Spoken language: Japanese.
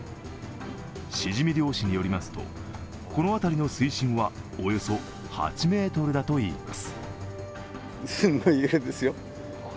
シジミ漁師によりますと、この辺りの水深はおよそ８ｍだといいます。